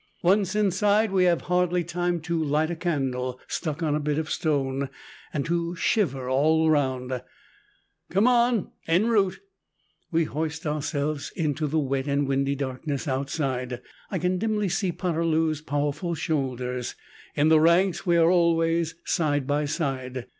Once inside, we have hardly time to light a candle, stuck on a bit of stone, and to shiver all round "Come on, en route!" We hoist ourselves into the wet and windy darkness outside. I can dimly see Poterloo's powerful shoulders; in the ranks we are always side by side.